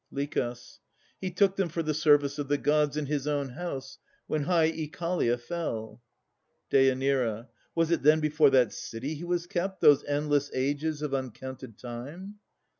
LICH. He took them for the service of the Gods And his own house, when high Oechalia fell. DÊ. Was't then before that city he was kept Those endless ages of uncounted time?